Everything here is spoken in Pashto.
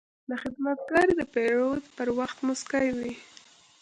دا خدمتګر د پیرود پر وخت موسکی وي.